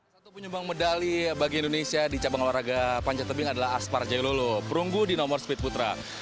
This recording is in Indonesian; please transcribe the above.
satu penyumbang medali bagi indonesia di cabang olahraga panjat tebing adalah aspar jailolo perunggu di nomor speed putra